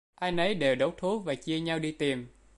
Ai nấy đều đốt đuốc và chia nhau đi tìm